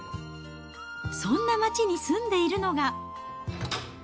そんな街に住んでいるのが。